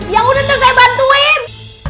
yaudah nanti saya bantuin